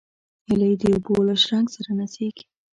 هیلۍ د اوبو له شرنګ سره نڅېږي